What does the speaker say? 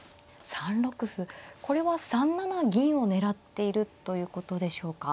３六歩これは３七銀を狙っているということでしょうか。